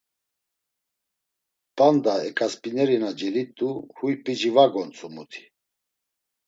P̌anda eǩasp̌ineri na celit̆u, huy p̌ici va gontzu muti.